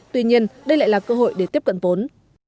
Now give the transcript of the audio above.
tuy nhiên đây lại là cơ hội để tiếp cận vốn